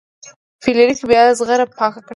فلیریک بیا زغره پاکه کړه.